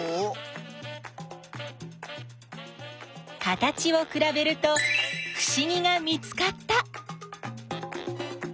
形をくらべるとふしぎが見つかった！